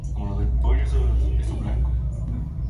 El productor general de "Ser humano!!